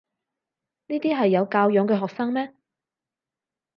呢啲係有教養嘅學生咩？